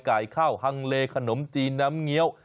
ไก่ข้าวฮังเลขนมจีนน้ำเงี้ยว